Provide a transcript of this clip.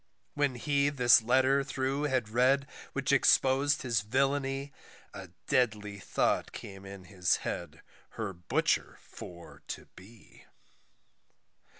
When he this letter through had read, which expos'd his villainy, A deadly thought came in his head her butcher for to be.